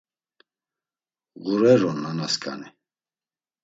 Ğureron nanasǩani.